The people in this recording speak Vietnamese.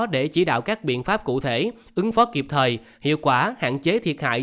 để chỉ đạo các biện pháp cụ thể ứng phó kịp thời hiệu quả hạn chế thiệt hại